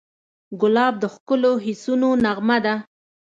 ګلاب د ښکلو حسونو نغمه ده.